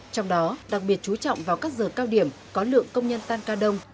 trong đó đặc biệt chú trọng vào các giờ cao điểm có lượng công nhân tan ca đông